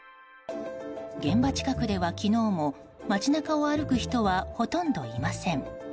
現場近くでは昨日も街中を歩く人はほとんどいません。